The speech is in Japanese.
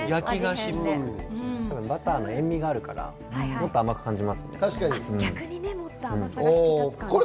バターの塩味があるからもっと甘く感じます。